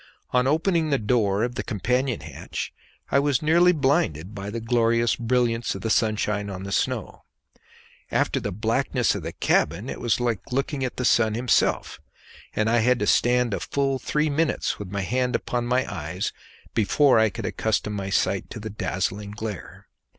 On opening the door of the companion hatch I was nearly blinded by the glorious brilliance of the sunshine on the snow; after the blackness of the cabin it was like looking at the sun himself, and I had to stand a full three minutes with my hand upon my eyes before I could accustom my sight to the dazzling glare.